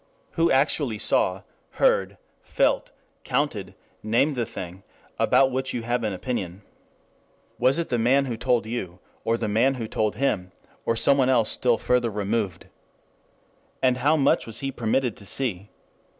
Who actually saw, heard, felt, counted, named the thing, about which you have an opinion? Was it the man who told you, or the man who told him, or someone still further removed? And how much was he permitted to see?